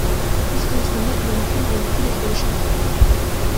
Биз Кыргызстанда климаттын олуттуу өзгөрүшүн байкадык.